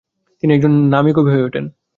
তিনি একজন নামী কবি হয়ে ওঠেন।